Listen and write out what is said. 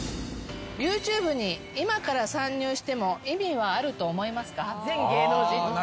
ＹｏｕＴｕｂｅに今から参入しても意味はあると思いますか？